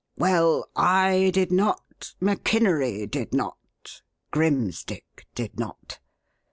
Well, I did not; MacInery did not; Grimsdick did not.